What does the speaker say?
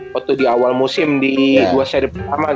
waktu di awal musim di dua seri pertama